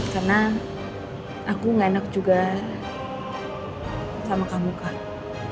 karena aku gak enak juga sama kamu kak